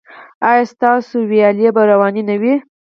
ایا ستاسو ویالې به روانې نه وي؟